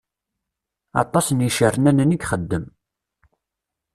Aṭas n yicernanen i ixedem.